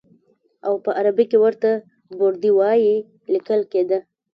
او په عربي کې ورته بردي وایي لیکل کېده.